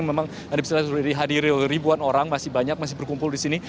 memang bisa dihadiri ribuan orang masih banyak masih berkumpul di sini